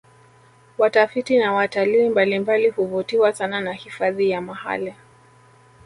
Watafiti na watalii mbalimbali huvutiwa sana na hifadhi ya mahale